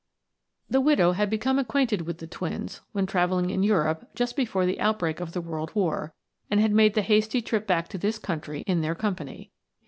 The widow had become acquainted with the twins when, traveling in Europe just before the outbreak of the World War, and had made the hasty trip back to this country in their company.